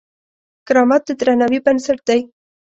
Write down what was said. کرامت د درناوي بنسټ دی.